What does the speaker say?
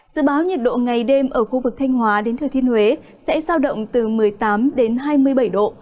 dự báo nhiệt độ ngày đêm ở khu vực thanh hóa đến thừa thiên huế sẽ giao động từ một mươi tám đến hai mươi bảy độ